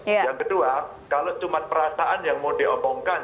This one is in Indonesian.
yang kedua kalau cuma perasaan yang mau diomongkan